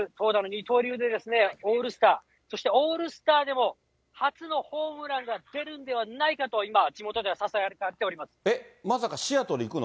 二刀流でオールスター、そしてオールスターでも初のホームランが出るんではないかと、地えっ、まさかシアトル行くの？